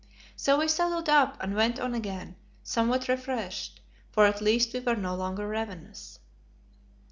So we saddled up and went on again somewhat refreshed, for at least we were no longer ravenous.